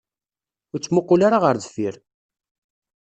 Ur ttmuqqul ara ɣer deffir.